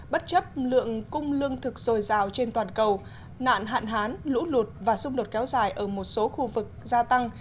bất chấp lượng cung lương thực dồi dào trên toàn cầu nạn hạn hán lũ lụt và xung đột kéo dài ở một số khu vực gia tăng